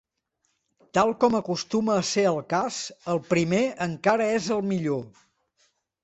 Tal com acostuma a ser el cas, el primer encara és el millor.